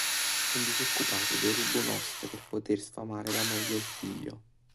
Un disoccupato deruba un oste per poter sfamare la moglie e il figlio.